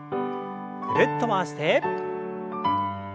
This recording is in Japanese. ぐるっと回して。